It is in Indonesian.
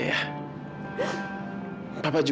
kava gak boleh nangis ya